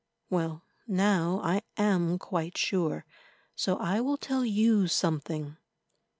Well, now I am quite sure, so I will tell you something.